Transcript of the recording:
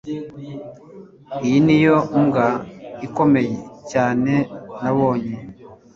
Iyi niyo mbwa ikomeye cyane nabonye